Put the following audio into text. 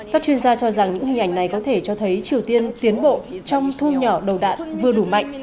các chuyên gia cho rằng những hình ảnh này có thể cho thấy triều tiên tiến bộ trong thu nhỏ đầu đạn vừa đủ mạnh